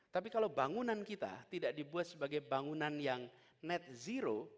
tapi kalau bangunan kita tidak dibuat sebagai bangunan yang net zero